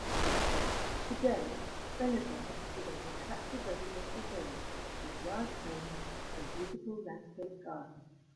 Today Vernonburg is an attractive residential village with large homes and beautiful landscaped gardens.